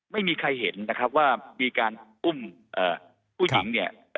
ไม่มีใครเห็นนะครับว่ามีการอุ้มผู้หญิงเนี่ย